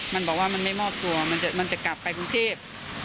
มันบอกว่ามันไม่มอบตัวมันจะกลับไปกรุงเทพ